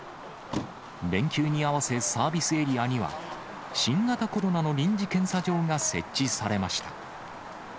連休に合わせ、サービスエリアには、新型コロナの臨時検査場が設置されました。